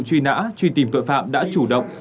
truy nã truy tìm tội phạm đã chủ động